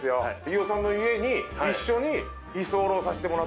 飯尾さんの家に一緒に居候させてもらってた。